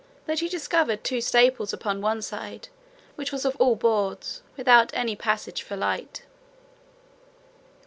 That he discovered two staples upon one side, which was all of boards, without any passage for light.